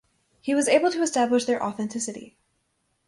He was able to establish their authenticity.